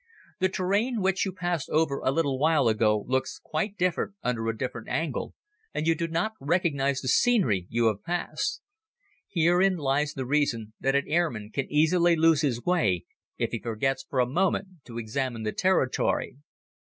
The terrain which you passed over a little while ago looks quite different under a different angle, and you do not recognize the scenery you have passed. Herein lies the reason that an airman can easily lose his way if he forgets for a moment to examine the territory.